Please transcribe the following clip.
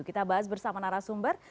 kita bahas bersama narasumber